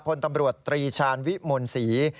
พลตำรวจตรีชาญวิมลศรี